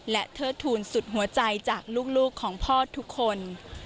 และเทิดทูลสุดหัวใจจากลูกของพ่อทุกคน